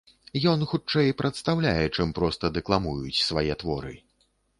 Ён хутчэй прадстаўляе, чым проста дэкламуюць свае творы.